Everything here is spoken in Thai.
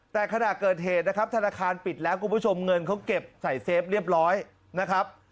แต่ขณะเกิดเหตุนะครับธนาคารปิดแล้วคุณผู้ชมเงินเขาเก็บใส่เซฟเรียบร้อยนะครับ